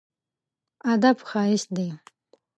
ادب ښايست دی.